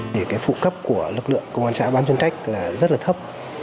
thì cái phụ cấp của lực lượng công an xã ban chuyên trách là rất là thấp